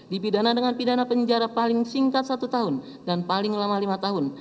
dipidana dengan pidana penjara paling singkat satu tahun dan paling lama lima tahun